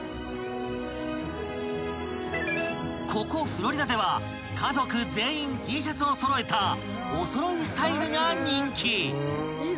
［ここフロリダでは家族全員Ｔシャツを揃えたお揃いスタイルが人気］